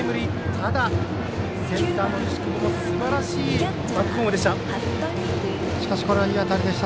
ただ、センターの西窪もすばらしいバックホームでした。